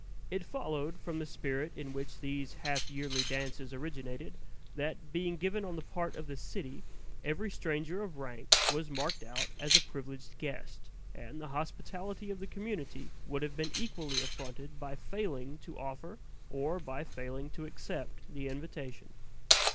It followed, from the spirit in which these half yearly dances originated, that, being given on the part of the city, every stranger of rank was marked out as a privileged guest, and the hospitality of the community would have been equally affronted by failing to offer or by failing to accept the invitation.